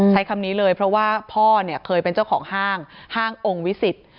ใช้คำนี้เลยเพราะว่าพ่อเนี่ยเคยเป็นเจ้าของห้างห้างองค์วิสิต